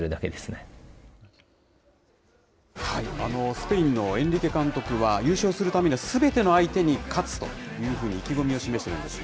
スペインのエンリケ監督は、優勝するためにはすべての相手に勝つというふうに、意気込みを示しているんですよ。